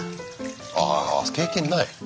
あ経験ない。